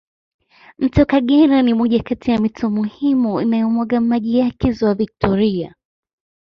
Mto kagera ni moja Kati ya mito muhimu inayo mwaga maji yake ziwa victoria